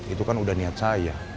itu kan udah niat saya